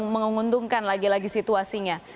menguntungkan lagi lagi situasinya